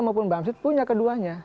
maka mbak amsit pun memiliki uang keduanya